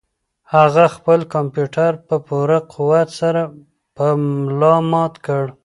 هغه خپل کمپیوټر په پوره قوت سره په ملا مات کړ.